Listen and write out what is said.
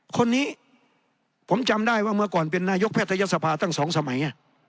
คนนี้ผมจำได้ว่าเมื่อก่อนเป็นนายกแพทยศภาตั้ง๒สมัย